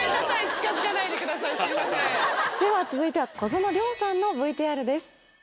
・では続いては小園凌央さんのＶＴＲです。